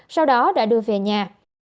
sau đó đã đưa về nhà